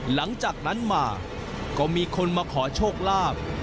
หลังจากนั้นมาก็มีคนมาขอโชคลาภ